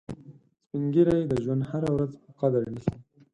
سپین ږیری د ژوند هره ورځ په قدر نیسي